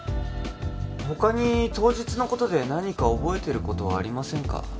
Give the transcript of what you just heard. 他に当日のことで何か覚えてることはありませんか？